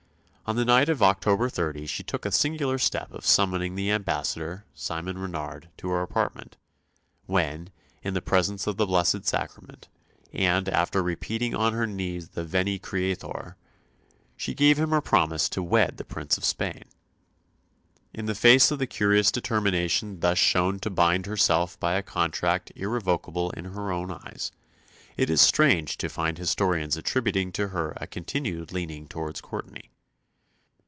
On the night of October 30 she took the singular step of summoning the ambassador, Simon Renard, to her apartment; when, in the presence of the Blessed Sacrament, and after repeating on her knees the Veni Creator, she gave him her promise to wed the Prince of Spain. In the face of the curious determination thus shown to bind herself by a contract irrevocable in her own eyes, it is strange to find historians attributing to her a continued leaning towards Courtenay.